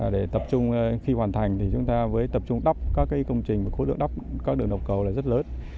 để tập trung khi hoàn thành thì chúng ta với tập trung đắp các công trình khối lượng đắp các đường đầu cầu là rất lớn